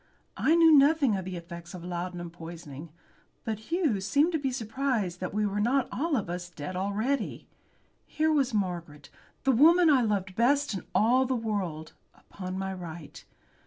I knew nothing of the effects of laudanum poisoning, but Hughes seemed to be surprised that we were not all of us dead already. Here was Margaret, the woman I loved best in all the world, upon my right.